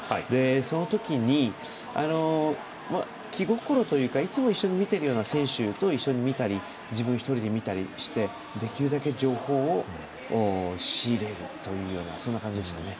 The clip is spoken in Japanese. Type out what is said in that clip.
その時に、気心というかいつも一緒に見ているような選手と一緒に見たり自分一人で見たりしてできるだけ情報を仕入れるという感じでしたね。